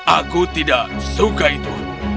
aku tidak suka itu